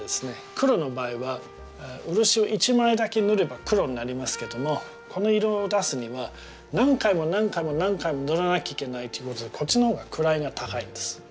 黒の場合は漆を一枚だけ塗れば黒になりますけどもこの色を出すには何回も何回も何回も塗らなきゃいけないということでこっちのほうが位が高いんです。